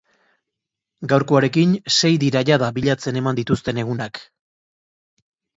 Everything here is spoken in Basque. Gaurkoarekin, sei dira jada bilatzen eman dituzten egunak.